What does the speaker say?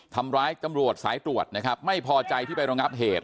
ทำร้ายตำรวจสายตรวจนะครับไม่พอใจที่ไปรองับเหตุ